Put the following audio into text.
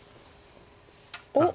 おっ。